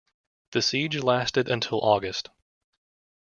The siege lasted until August.